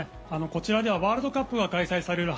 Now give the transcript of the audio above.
こちらではワールドカップが開催される